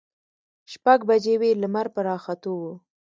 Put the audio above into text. شپږ بجې وې، لمر په راختو و.